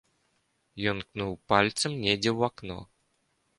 Ён ткнуў пальцам недзе ў акно.